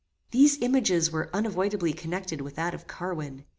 These images were unavoidably connected with that of Carwin.